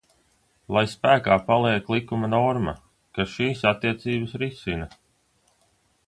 Lai spēkā paliek likuma norma, kas šīs attiecības risina.